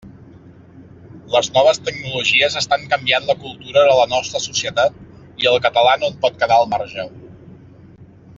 Les noves tecnologies estan canviant la cultura de la nostra societat i el català no en pot quedar al marge.